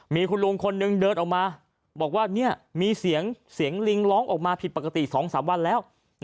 มีคุณลุงคนนึงเดินออกมาบอกว่ามีเสียงลิงร้องออกมาผิดปกติ๒๓วันแล้ว